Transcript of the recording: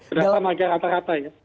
berdasarkan harga rata rata ya